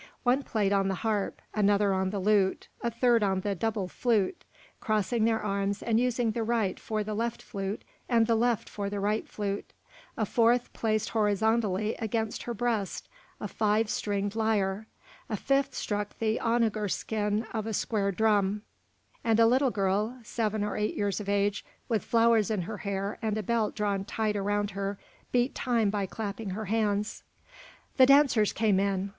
One played on the harp, another on the lute, a third on the double flute, crossing her arms and using the right for the left flute and the left for the right flute; a fourth placed horizontally against her breast a five stringed lyre; a fifth struck the onager skin of a square drum; and a little girl seven or eight years of age, with flowers in her hair and a belt drawn tight around her, beat time by clapping her hands. The dancers came in.